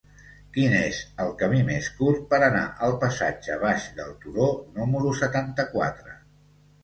Quin és el camí més curt per anar al passatge Baix del Turó número setanta-quatre?